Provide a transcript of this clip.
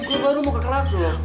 guru baru mau ke kelas loh